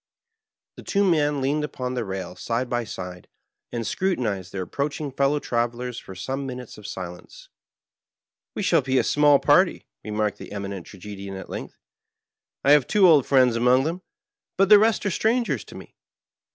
The two men leaned upon the rail side by side, and scrutinized their approaching fellow travelers for some minutes in silence. "We shall be a small party/' re marked the Eminent Tragedian at length. " I have two old friends among them, but the rest are strangers to me.